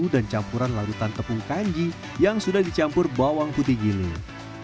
dan campuran larutan tepung kanji yang sudah dicampur bawang putih giling